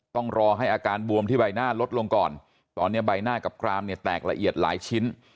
ต้องรอให้อาการบวมที่ใบหน้าลดลงก่อนตอนนี้ใบหน้ากับกรามเนี่ยแตกละเอียดหลายชิ้น